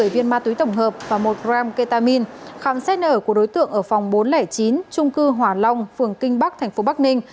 một mươi viên ma túy tổng hợp và một gram ketamin khám xét nở của đối tượng ở phòng bốn trăm linh chín trung cư hòa long phường kinh bắc thành phố bắc ninh